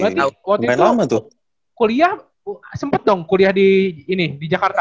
berarti waktu itu kuliah sempat dong kuliah di ini di jakarta